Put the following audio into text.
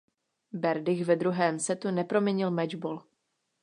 Berdych ve druhém setu neproměnil mečbol.